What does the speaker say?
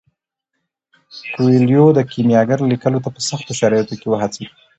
کویلیو د کیمیاګر لیکلو ته په سختو شرایطو کې وهڅید.